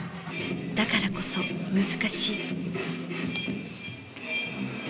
だからこそ難しい。